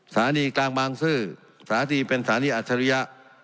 สถานีกลางบางซื่อสถานีเป็นสถานีอัจฉริยะ